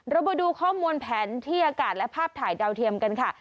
เรามาดูข้อมูลแผนที่อากาศและภาพถ่ายดาวเทียมกันค่ะ